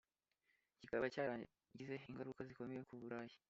kikaba cyaragize ingaruka zikomeye ku burayi